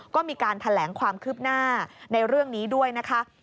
ก็มีการแถลงความคืบหน้าในเรื่องนี้ด้วยนะคะ